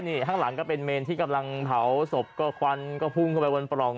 นี่ข้างหลังก็เป็นเมนที่กำลังเผาศพก็ควันก็พุ่งเข้าไปบนปล่อง